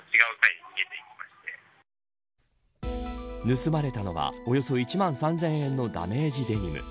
盗まれたのは、およそ１万３０００円のダメージデニム。